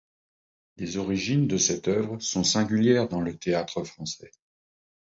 Les origines de cette œuvre sont singulières dans le théâtre français.